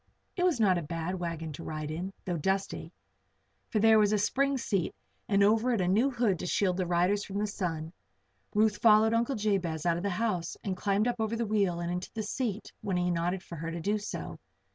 It was not a bad wagon to ride in, though dusty; for there was a spring seat and over it a new hood to shield the riders from the sun. Ruth followed Uncle Jabez out of the house and climbed up over the wheel and into the seat when he nodded for her to do so.